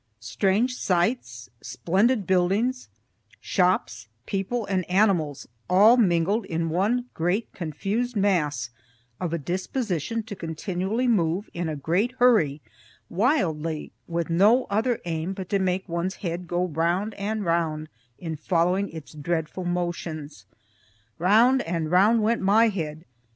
Strange sights, splendid buildings, shops, people and animals, all mingled in one great, confused mass of a disposition to continually move in a great hurry, wildly, with no other aim but to make one's head go round and round, in following its dreadful motions. Round and round went my head.